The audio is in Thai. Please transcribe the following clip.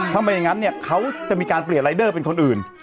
ไม่อย่างนั้นเนี่ยเขาจะมีการเปลี่ยนรายเดอร์เป็นคนอื่น